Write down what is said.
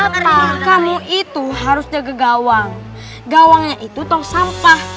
daun kita masa kebobolan terus sih